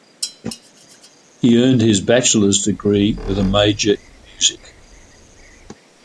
He earned his Bachelor's Degree with a major in music.